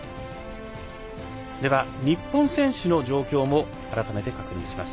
日本選手の状況も改めて確認します。